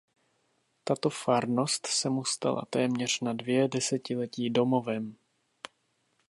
Tato farnost se mu stala téměř na další dvě desetiletí domovem.